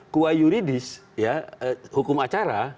kuah yuridis ya hukum acara